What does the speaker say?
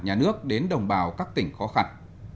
nhà nước đến đồng bào các tỉnh khó khăn